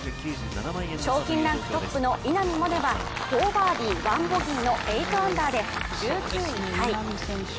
賞金ランクトップの稲見萌寧は４バーディー１ボギーの８アンダーで１９位タイ。